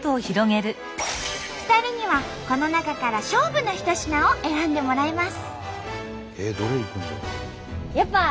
２人にはこの中から勝負の一品を選んでもらいます！